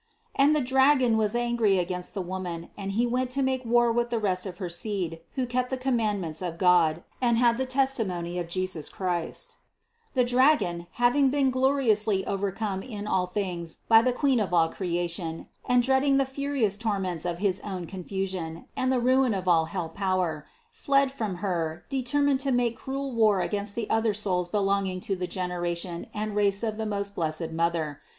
"And the dragon was angry against the Woman : and he went to make war with the rest of her seed, who keep the commandments of God, and have the testimony of Jesus Christ/' The dragon, having been gloriously overcome in all things by the Queen of all creation and dreading the furious torments of his own confusion and the ruin of all hell power, fled from Her, determined to make cruel war against the other souls belonging to the generation and race of the most blessed Mother.